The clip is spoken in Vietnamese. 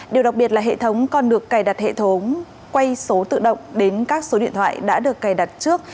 điều đặc biệt là hệ thống còn được cài đặt hệ thống quay số tự động đến các số điện thoại đã được cài đặt trước